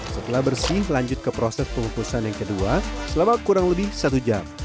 setelah bersih lanjut ke proses pengukusan yang kedua selama kurang lebih satu jam